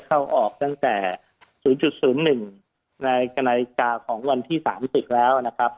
เข้าออกตั้งแต่ศูนย์จุดศูนย์หนึ่งในกรณาศิกษาของวันที่สามสิบแล้วนะครับ